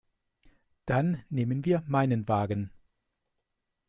Dann nehmen wir meinen Wagen.